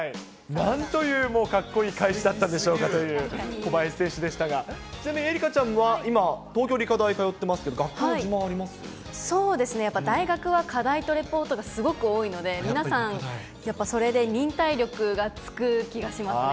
なんというもうかっこいい返しだったんでしょうかという、小林選手でしたが、ちなみに愛花ちゃんは今は、東京理科大に通ってますそうですね、やっぱり大学は課題とレポートがすごく多いので、皆さん、やっぱそれで忍耐力がつく気がしますね。